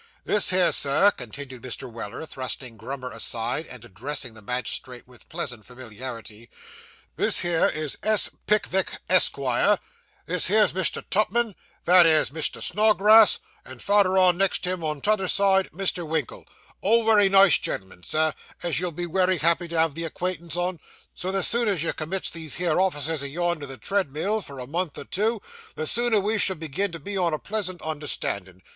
This here, sir' continued Mr. Weller, thrusting Grummer aside, and addressing the magistrate with pleasant familiarity, 'this here is S. Pickvick, Esquire; this here's Mr. Tupman; that 'ere's Mr. Snodgrass; and farder on, next him on the t'other side, Mr. Winkle all wery nice gen'l'm'n, Sir, as you'll be wery happy to have the acquaintance on; so the sooner you commits these here officers o' yourn to the tread mill for a month or two, the sooner we shall begin to be on a pleasant understanding.